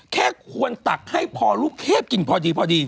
แค่ควรตักให้ลูกเทพกินพอดี